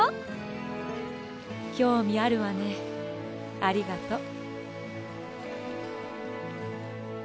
きょうみあるわねありがとう。